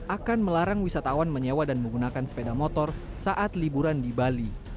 akan melarang wisatawan menyewa dan menggunakan sepeda motor saat liburan di bali